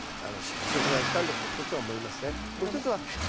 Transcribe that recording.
食害したんだと一つは思いますね。